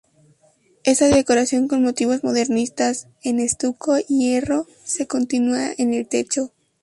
Esa decoración con motivos modernistas en estuco y hierro se continúa en el techo.